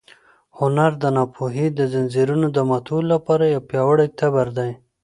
هنر د ناپوهۍ د ځنځیرونو د ماتولو لپاره یو پیاوړی تبر دی.